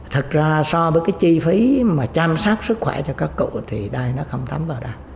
thật ra so với cái chi phí mà chăm sóc sức khỏe cho các cụ thì đây nó không tắm vào đâu